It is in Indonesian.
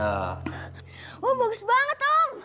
om bagus banget om